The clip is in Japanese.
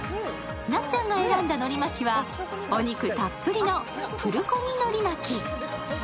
なっちゃんの選んだのり巻きはお肉たっぱりのプルコギのり巻。